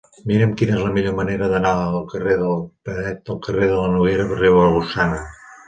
Mira'm quina és la millor manera d'anar del carrer de Beret al carrer de la Noguera Ribagorçana.